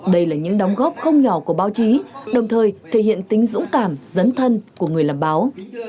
đây là những đóng góp không nhỏ của báo chí đồng thời thể hiện tính dũng cảm dấn thân của người làm báo